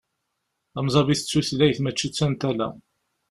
Tamẓabit d tutlayt mačči d tantala.